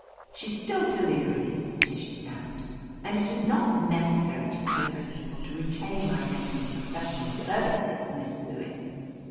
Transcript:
"She's still delirious," Tish snapped. "And it is not necessary to coax people to retain my nephew's professional services. Miss Lewis."